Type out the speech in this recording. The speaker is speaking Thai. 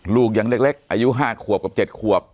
ลูกยังเล็กอายุ๕ขวบกับ๗ขวบ